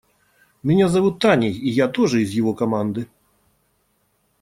Меня зовут Таней, и я тоже из его команды.